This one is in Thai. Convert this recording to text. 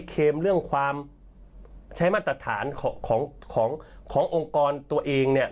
เคมเรื่องความใช้มาตรฐานขององค์กรตัวเองเนี่ย